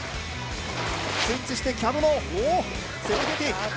スイッチしてキャブの７２０！